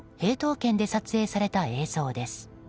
県で撮影された映像です。